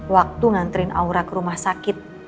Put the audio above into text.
waktu nganterin aura ke rumah sakit